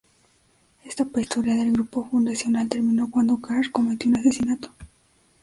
Esta "prehistoria" del grupo fundacional terminó cuando Carr cometió un asesinato.